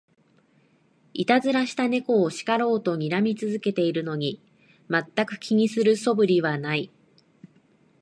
いたずらした猫を叱ろうとにらみ続けてるのに、まったく気にする素振りはない